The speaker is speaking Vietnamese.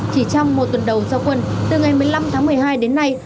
chỉ trong một tuần đầu giao quân từ ngày một mươi năm tháng một mươi hai đến nay